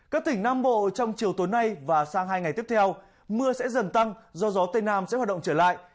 các tỉnh nam bộ trong chiều tối nay và sang hai ngày tiếp theo mưa sẽ dần tăng do gió tây nam sẽ hoạt động trở lại